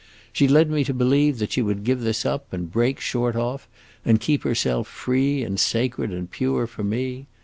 She led me to believe that she would give this up, and break short off, and keep herself free and sacred and pure for me.